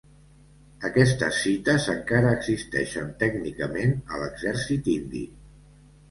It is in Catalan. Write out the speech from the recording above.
Aquestes cites encara existeixen tècnicament a l'exèrcit indi.